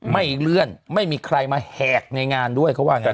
ไม่เลื่อนไม่มีใครมาแหกในงานด้วยเขาว่างั้น